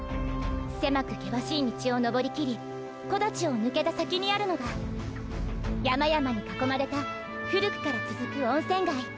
狭く険しい道を登りきり木立を抜けた先にあるのが山々に囲まれた古くから続く温泉街。